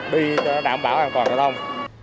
đi cho nó đảm bảo an toàn giao thông